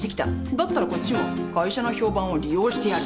だったらこっちも会社の評判を利用してやる。